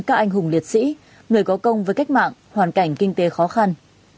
các anh hùng liệt sĩ người có công với cách mạng hoàn cảnh kinh tế khó khăn